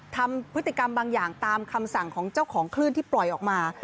ทำพฤติกรรมบางอย่างตามคำสั่งของเจ้าของคลื่นที่ปล่อยออกมา